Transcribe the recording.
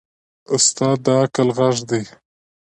استاد د عقل غږ دی.